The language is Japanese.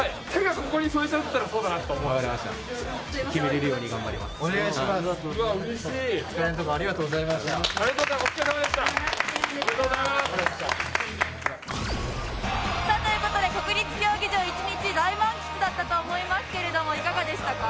さあという事で国立競技場一日大満喫だったと思いますけれどもいかがでしたか？